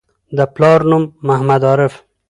پلار نوم: محمد عارف